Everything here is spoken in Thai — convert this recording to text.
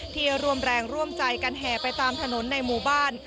ที่ร่วมแรงร่วมใจกันแห่ไปตามถนนในหมู่บ้าน